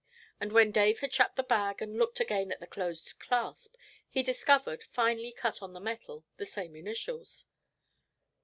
and when Dave had shut the bag and looked again at the closed clasp, he discovered, finely cut on the metal, the same initials.